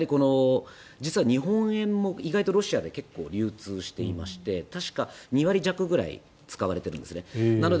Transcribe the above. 実は日本円も意外とロシアで流通していまして確か、２割弱ぐらい使われているんですね。